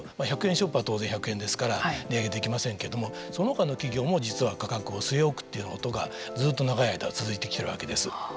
１００円ショップは当然１００円ですから値上げできませんけどもそのほかの企業も実は価格を据え置くということがずっと長い間、続いてきているわけです。